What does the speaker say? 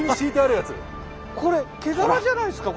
これ毛皮じゃないですか？